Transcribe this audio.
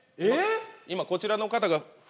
今こちらの方が。